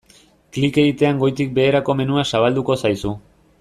Klik egitean goitik-beherako menua zabalduko zaizu.